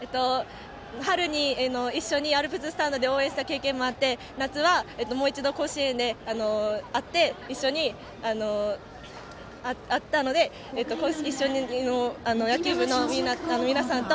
春に一緒にアルプススタンドで応援した経験もあって夏はもう一度甲子園で会ったので一緒の野球部の皆さんと